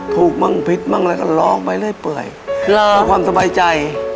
ถูกบ้างฟิศบ้างอะไรการร้องไปเลยเปื่อยและความสบายใจ